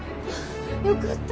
よかった